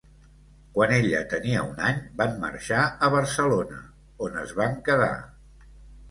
Quan ella tenia un any van marxar a Barcelona, on es van quedar.